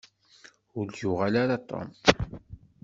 Ur d-yuɣal ara Tom.